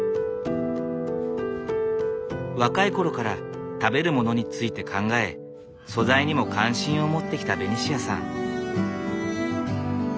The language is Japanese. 若い頃から食べるものについて考え素材にも関心を持ってきたベニシアさん。